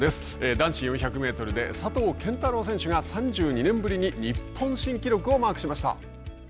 男子４００メートルで佐藤拳太郎選手が３２年ぶりに日本新記録をマークしました。